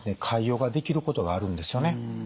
潰瘍が出来ることがあるんですよね。